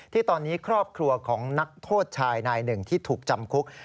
ที่ตอนนี้ครอบครัวของนักโทษชายนายหนึ่งที่ถูกจำคุก